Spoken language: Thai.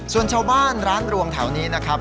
ส่วนชาวบ้านร้านรวงแถวนี้นะครับ